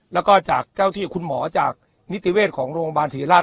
แล้วก็จากเจ้าที่คุณหมอจากนิติเวชของโรงพยาบาลศรีราช